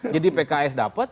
jadi pks dapat